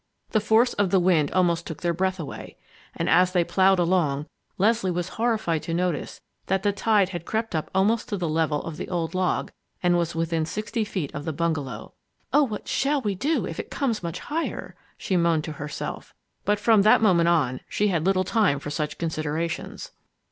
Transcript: The force of the wind almost took their breath away. And as they plowed along, Leslie was horrified to notice that the tide had crept almost up to the level of the old log and was within sixty feet of the bungalow. "Oh, what shall we do if it comes much higher!" she moaned to herself. But from that moment on, she had little time for such considerations.